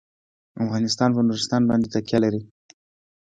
افغانستان په نورستان باندې تکیه لري.